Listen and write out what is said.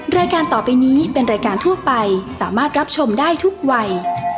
รายการต่อไปนี้เป็นรายการทั่วไปสามารถรับชมได้ทุกวัย